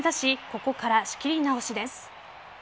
ここから仕切り直しです。